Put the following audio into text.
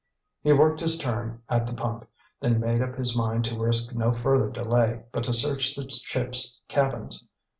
He worked his turn at the pump, then made up his mind to risk no further delay, but to search the ship's cabins.